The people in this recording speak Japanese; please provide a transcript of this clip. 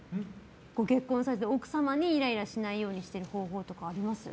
結婚されて、奥様にイライラしないようにする方法とかありますか？